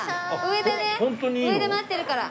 上で待ってるから。